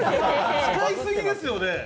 使いすぎですよね。